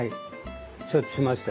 承知しました。